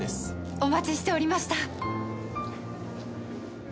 お待ちしておりました。